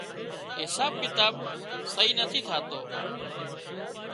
حساب ڪتاب سئي نٿي ٿاتو